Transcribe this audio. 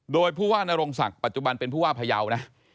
โดยผู้ว่านรงศักดิ์ปัจจุบันเป็นผู้ว่าพยาวนะ